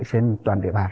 trên toàn địa bàn